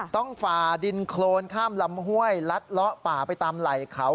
ฝ่าดินโครนข้ามลำห้วยลัดเลาะป่าไปตามไหล่เขา